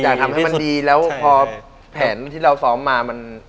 อยากให้มันดีแล้วพอแผนที่เราซ้อมมามัน